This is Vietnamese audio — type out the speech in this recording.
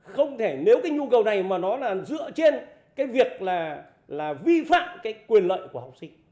không thể nếu cái nhu cầu này mà nó là dựa trên cái việc là vi phạm cái quyền lợi của học sinh